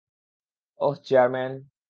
ওহ, chairman!